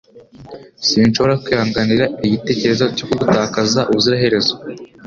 Sinshobora kwihanganira igitekerezo cyo kugutakaza ubuziraherezo.